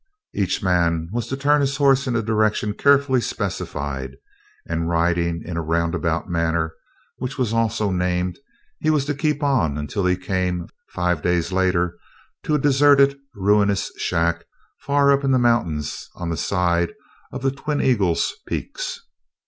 Each man was to turn his horse in a direction carefully specified, and, riding in a roundabout manner, which was also named, he was to keep on until he came, five days later, to a deserted, ruinous shack far up in the mountains on the side of the Twin Eagles peaks.